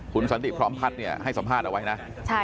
การสอบส่วนแล้วนะ